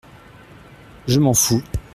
Je m’en fous.